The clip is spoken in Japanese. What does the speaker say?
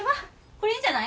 これいいんじゃない？